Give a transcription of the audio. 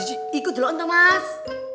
kecua ikut dulu ntar mas